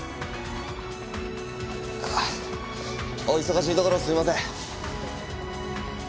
お忙しいところすいません。